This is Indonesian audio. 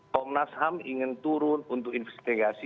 komnas ham ingin turun untuk investigasi